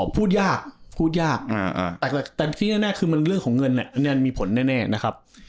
พูดยากแต่คือนี้แน่คือเรื่องของเงินเนี่ยมีผลแน่นะครับ